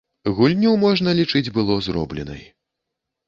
Гульню можна лічыць было зробленай.